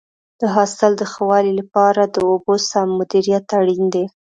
د حاصل د ښه والي لپاره د اوبو سم مدیریت اړین دی.